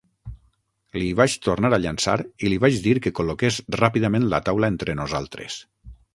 L'hi vaig tornar a llançar i li vaig dir que col·loqués ràpidament la taula entre nosaltres.